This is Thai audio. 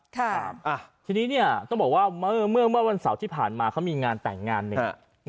ครับอ่ะทีนี้เนี่ยต้องบอกว่าเมื่อเมื่อวันเสาร์ที่ผ่านมาเขามีงานแต่งงานหนึ่ง